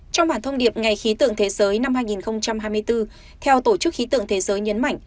trong bản thông điệp ngày khí tượng thế giới năm hai nghìn hai mươi bốn theo tổ chức khí tượng thế giới nhấn mạnh